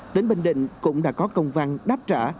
tỉnh bình định cũng đã có công văn đáp trả